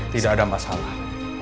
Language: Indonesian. tidak ada masalah